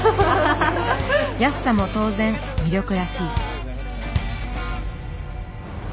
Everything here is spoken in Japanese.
安さも当然魅力らしい。